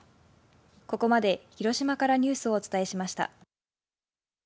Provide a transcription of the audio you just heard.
ここまで広島からニュースをお伝えしました。